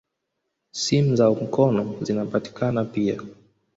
Simu za mkono zinapatikana pia.